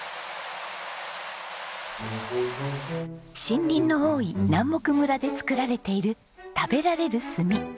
森林の多い南牧村で作られている食べられる炭。